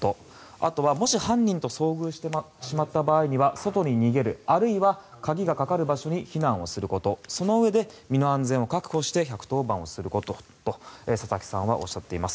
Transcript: あとは、もし犯人と遭遇してしまった場合には外に逃げるあるいは鍵がかかる場所に避難をすることそのうえで、身の安全を確保して１１０番をすることと佐々木さんはおっしゃっています。